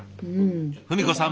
文子さん